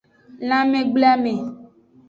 Lanmegbleame.